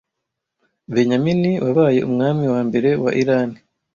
Benyamini wabaye Umwami wambere wa irani